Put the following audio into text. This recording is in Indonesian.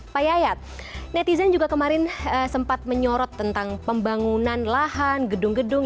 pak yayat netizen juga kemarin sempat menyorot tentang pembangunan lahan gedung gedung